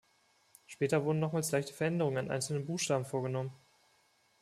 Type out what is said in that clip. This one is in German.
Später wurden nochmals leichte Veränderungen an einzelnen Buchstaben vorgenommen.